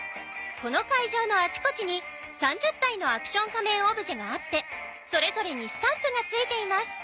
この会場のあちこちに３０体のアクション仮面オブジェがあってそれぞれにスタンプが付いています。